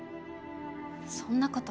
そんなこと。